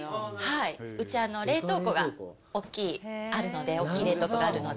うち、冷凍庫がおっきい、大きい冷凍庫があるので。